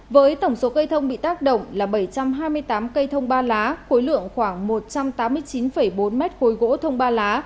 với tổng số cây thông bị tác động là bảy trăm hai mươi tám cây thông ba lá khối lượng khoảng một trăm tám mươi chín bốn mét khối gỗ thông ba lá